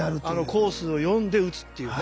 コースを読んで打つっていうね。